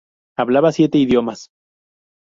Hablaba siete idiomas.